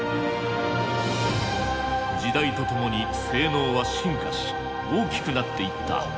時代とともに性能は進化し大きくなっていった。